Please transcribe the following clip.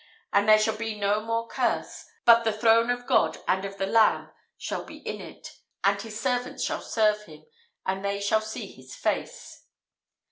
. and there shall be no more curse: but the Throne of God and of the Lamb shall be in it; and His servants shall serve Him: and they shall see His Face."